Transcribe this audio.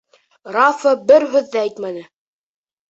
Рафа бер һүҙ ҙә әйтмәне.